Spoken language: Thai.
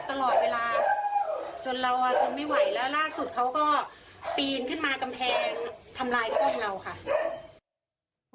ตลอดเวลาจนเราทนไม่ไหวแล้วล่าสุดเขาก็ปีนขึ้นมากำแพงทำลายกล้องเราค่ะ